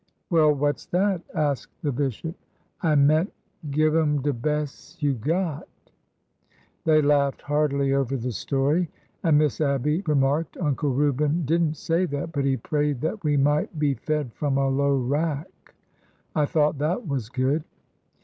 "' Well, what 's that,' asked the bishop. ^ I meant give 'em de bes' you got !'" They laughed heartily over the story, and Miss Abby remarked :" Uncle Reuben did n't say that, but he prayed that we might ' be fed from a low rack.' I thought that was good."